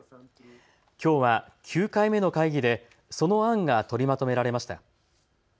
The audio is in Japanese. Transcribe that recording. きょうは９回目の会議でその案が取りまとめられました。